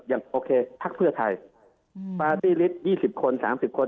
ยังโอเคพักเพื่อใครอืมปาร์ตี้ลิสต์ยี่สิบคนสามสิบคน